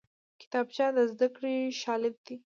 کتابچه د زدکړې شاليد دی